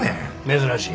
珍しい。